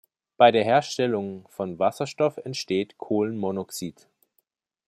Bei der Herstellung von Wasserstoff entsteht Kohlenmonoxid.